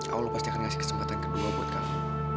allah pasti akan ngasih kesempatan kedua buat kami